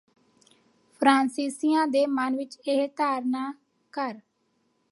ਫਰਾਂਸੀਸੀਆਂ ਦੇ ਮਨ ਵਿੱਚ ਇਹ ਧਾਰਨਾ ਘਰ